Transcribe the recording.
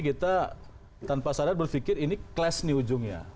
kita tanpa sadar berpikir ini class nih ujungnya